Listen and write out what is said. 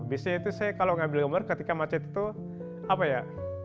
bisnya itu saya kalau ngambil gambar ketika macet itu apa ya